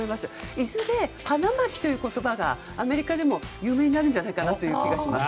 いずれ、花巻という言葉がアメリカでも有名になるんじゃないかという気がします。